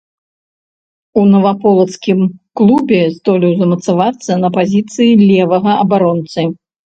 У наваполацкім клубе здолеў замацавацца на пазіцыі левага абаронцы.